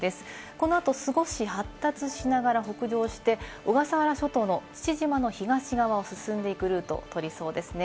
この後、少し発達しながら北上して、小笠原諸島の父島の東側を進んでいくルートを取りそうですね。